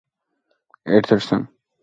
მდებარეობს მთიულეთის არაგვის მარცხენა მხარეს.